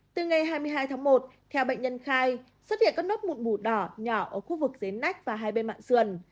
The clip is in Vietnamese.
từ ngày hai mươi hai một theo bệnh nhân khai xuất hiện các nốt mụn mủ đỏ nhỏ ở khu vực dế nách và hai bên mạng xườn